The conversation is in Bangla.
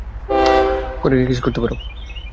কনেকে কিস করতে পারো।